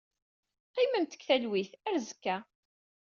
Qqimemt deg talwit. Ar azekka.